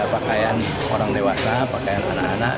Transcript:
pakaian orang dewasa pakaian anak anak